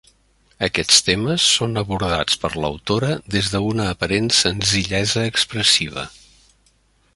Aquests temes són abordats per l'autora des d'una aparent senzillesa expressiva.